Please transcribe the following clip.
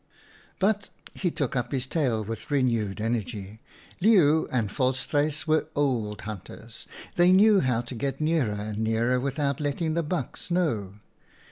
" But" — he took up his tale with renewed energy —" Leeuw and Volstruis were old hunters. They knew how to get nearer and nearer without letting the bucks know.